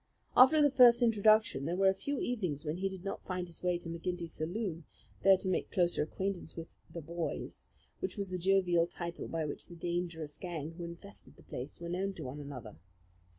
After the first introduction there were few evenings when he did not find his way to McGinty's saloon, there to make closer acquaintance with "the boys," which was the jovial title by which the dangerous gang who infested the place were known to one another.